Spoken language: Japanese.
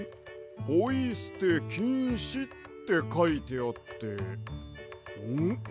「ポイすてきんし」ってかいてあってんっ？